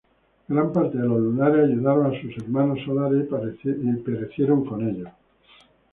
Gran parte de los Lunares ayudaron a sus hermanos Solares y perecieron con ellos.